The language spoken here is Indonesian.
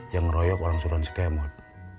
yang ngeroyok orang suruhan si kemot